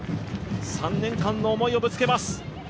３年間の思いをぶつけます。